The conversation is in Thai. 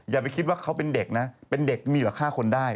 อย่าไปคิดว่าเขาเป็นเด็กนะเป็นเด็กมีอยู่๕คนได้